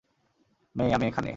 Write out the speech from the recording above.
মে, আমি এখানে।